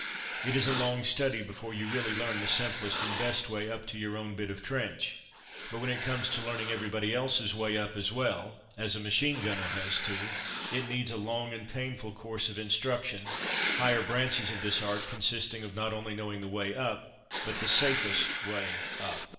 It is a long study before you really learn the simplest and best way up to your own bit of trench; but when it comes to learning everybody else's way up as well (as a machine gunner has to), it needs a long and painful course of instruction higher branches of this art consisting of not only knowing the way up, but the safest way up.